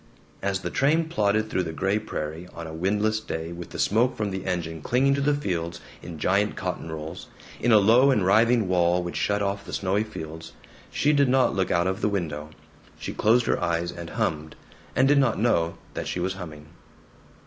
As the train plodded through the gray prairie, on a windless day with the smoke from the engine clinging to the fields in giant cotton rolls, in a low and writhing wall which shut off the snowy fields, she did not look out of the window. She closed her eyes and hummed, and did not know that she was humming.